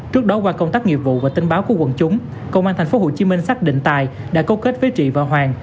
trước đó qua công tác nghiệp vụ và tình báo của quận chúng cơ quan an tp hcm xác định tài đã câu kết với trị và hoàng